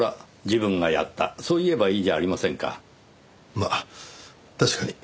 まあ確かに。